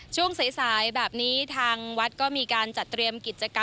ช่วงสายแบบนี้ทางวัดก็มีการจัดเตรียมกิจกรรม